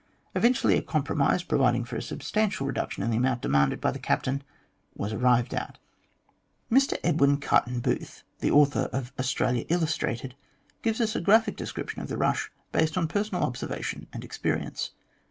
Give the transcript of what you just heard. Eventually a compromise, providing ior a substantial reduction in the amount demanded by the captain, was arrived at. Mr Edwin Carton Booth, the author of " Australia Illus trated," gives a graphic description of the rush, based on personal observation and experience.